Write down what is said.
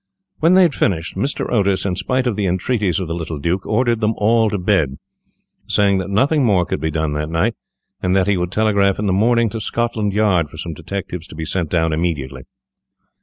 When they had finished, Mr. Otis, in spite of the entreaties of the little Duke, ordered them all to bed, saying that nothing more could be done that night, and that he would telegraph in the morning to Scotland Yard for some detectives to be sent down immediately.